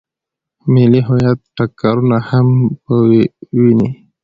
د ملي هویت ټکرونه هم په ويني.